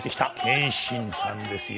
謙信さんですよ。